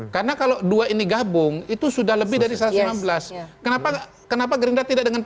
karena kalau dua ini gabung itu sudah lebih dari satu ratus lima belas kenapa gerindra tidak dengan p tiga